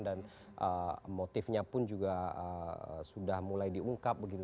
dan motifnya pun juga sudah mulai diungkap begitu